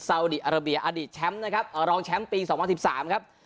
สาวดีอาราเบียอดีตแชมป์นะครับรองแชมป์ปี๒๐๑๓ครับ